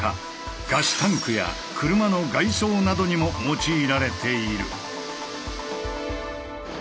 ガスタンクや車の外装などにも用いられている。